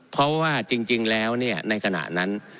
เพราะว่าจริงแล้วในขณะนั้น